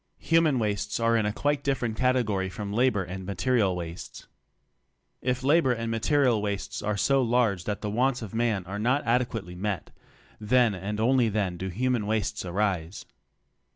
"Human" wastes are in a quite different category from la bor and material wastes. If labor and material wastes are so large that the wants of man are not adequately met, then and only then do human wastes arise.